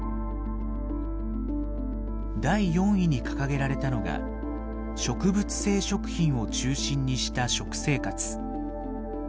第４位に掲げられたのが「植物性食品を中心にした食生活」。